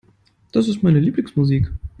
Das ist meine Lieblingsmusik.